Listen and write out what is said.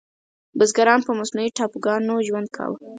بزګرانو په مصنوعي ټاپوګانو ژوند کاوه.